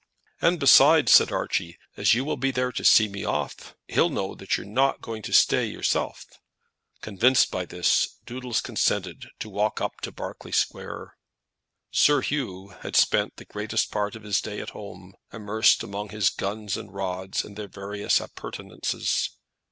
"And besides," said Archie, "as you will be there to see me off, he'll know that you're not going to stay yourself." Convinced by this, Doodles consented to walk up to Berkeley Square. Sir Hugh had spent the greatest part of this day at home, immersed among his guns and rods, and their various appurtenances.